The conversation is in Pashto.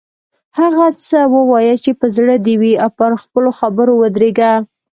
هغه څه ووایه چې په زړه دې وي او پر خپلو خبرو ودریږه.